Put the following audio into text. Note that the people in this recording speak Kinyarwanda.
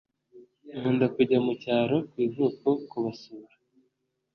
Nkunda kujya mucyaro kwivuko kubasura